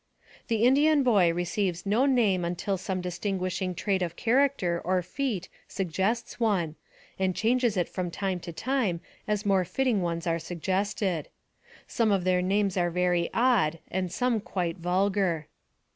The Indian boy receives no name until some dis tinguishing trait of character or feat suggests one, and changes it from time to time as more fitting ones are suggested. Some of their names are very odd, and some quite vulgar.